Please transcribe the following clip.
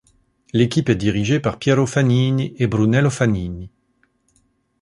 L'équipe est dirigée par Piero Fanini et Brunello Fanini.